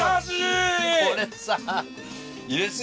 これさ入れすぎだよね？